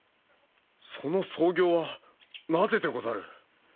その僧形はなぜでござる？